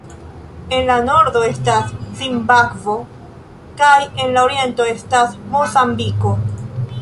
En la nordo estas Zimbabvo, kaj en la oriento estas Mozambiko.